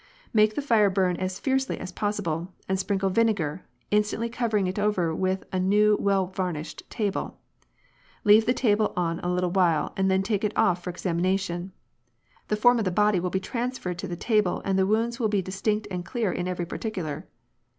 Make the fire burn as fiercely as possible, and sprinkle vinegar, instantly covering it over with a new well varnished table. Leave the table on a little while and then take it oflf for examina tion. The form of the body will be transferred to the table and the wounds will be distinct and clear in every particular.